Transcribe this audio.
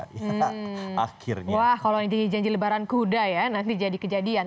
wah kalau ini janji lebaran kuda ya nanti jadi kejadian